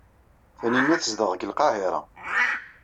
Tanina tezdeɣ deg Lqahira.